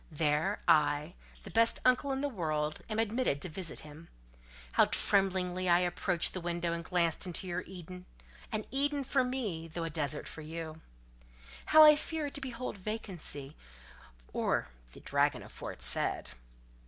There, I, the best uncle in the world, am admitted to visit him. How tremblingly I approached the window and glanced into your Eden—an Eden for me, though a desert for you!—how I feared to behold vacancy, or the dragon aforesaid!